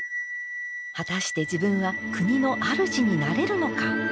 果たして自分は国のあるじになれるのか。